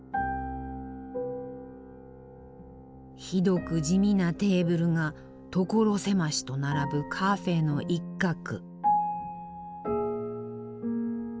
ひどく地味なテーブルが所狭しと並ぶカフェの一角。